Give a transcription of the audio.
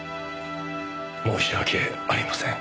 申し訳ありません。